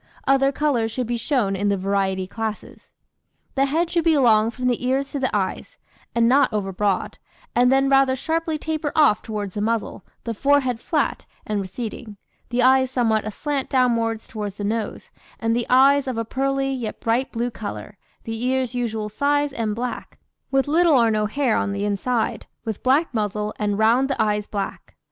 Other colours should be shown in the variety classes. The head should be long from the ears to the eyes, and not over broad, and then rather sharply taper off towards the muzzle, the forehead flat, and receding, the eyes somewhat aslant downwards towards the nose, and the eyes of a pearly, yet bright blue colour, the ears usual size and black, with little or no hair on the inside, with black muzzle, and round the eyes black.